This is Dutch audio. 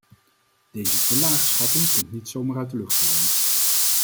Deze te lage schatting komt niet zomaar uit de lucht vallen.